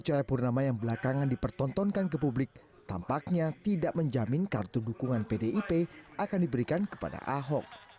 cahayapurnama yang belakangan dipertontonkan ke publik tampaknya tidak menjamin kartu dukungan pdip akan diberikan kepada ahok